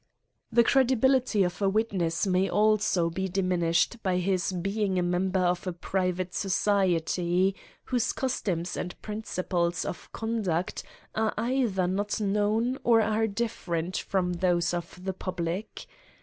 The credibility of a witness may also be di minished by his being a member of a private society, whose customs and principles of conduct are either not known or are different from those CRIMES AND PUNISHMHTNTS. 51 of the public.